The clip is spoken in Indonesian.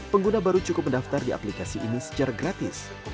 pengguna baru cukup mendaftar di aplikasi ini secara gratis